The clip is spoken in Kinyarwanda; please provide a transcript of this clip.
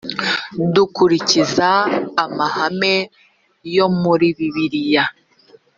dukurikiza amahame yo muri bibiliya